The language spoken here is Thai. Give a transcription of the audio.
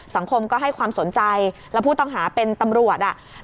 สังคมก็ให้ความสนใจแล้วผู้ต้องหาเป็นตำรวจอ่ะ